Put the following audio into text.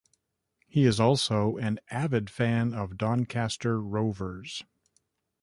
He is also an avid fan of Doncaster Rovers.